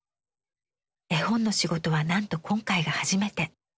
絵本の仕事はなんと今回が初めて。